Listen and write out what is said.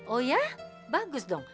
oh ya bagus dong